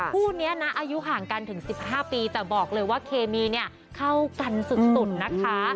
คู่นี้นะอายุห่างกันถึง๑๕ปีแต่บอกเลยว่าเคมีเนี่ยเข้ากันสุดนะคะ